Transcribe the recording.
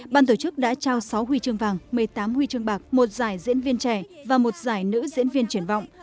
ban tổ chức đã trao sáu huy chương vàng một mươi tám huy chương bạc một giải diễn viên trẻ và một giải nữ diễn viên triển vọng